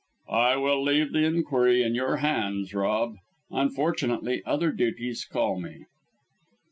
"I will leave the inquiry in your hands, Rob. Unfortunately other duties call me."